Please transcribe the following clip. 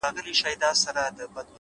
o مخ ځيني اړومه؛